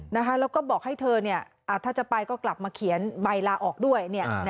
แล้วก็บอกให้เธอถ้าจะไปก็กลับมาเขียนใบลาออกด้วย